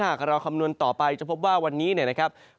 หากเราคำนวณต่อไปจะพบว่าวันนี้เนี่ยนะครับ